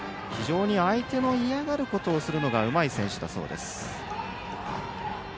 相手の嫌がることをするのが非常にうまい選手だそうです。